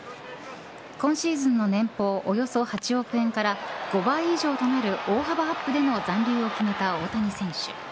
今シーズンの年俸およそ８億円から５倍以上となる大幅アップでの残留を決めた大谷選手。